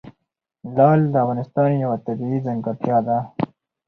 لعل د افغانستان یوه طبیعي ځانګړتیا ده.